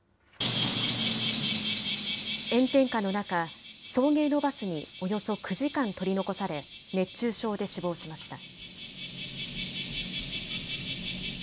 炎天下の中、送迎のバスにおよそ９時間取り残され、熱中症で死亡しました。